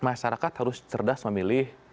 kita harus cerdas memilih